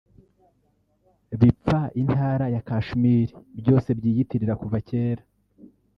bipfa intara ya Kashmir byose byiyitirira kuva kera